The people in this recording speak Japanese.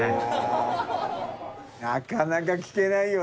なかなか聞けないよ